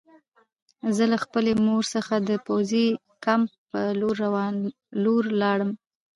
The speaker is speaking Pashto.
زه له خپلې مور څخه د پوځي کمپ په لور لاړم